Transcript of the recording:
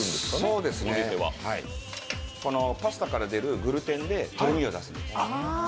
パスタから出るグルテンでとろみを出すんです。